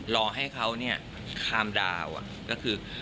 รอให้เขานะคามดาวอย่างนี้